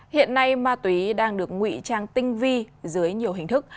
hiện nay ma túy đang được ngụy trang tinh vi dưới nhiều hình thức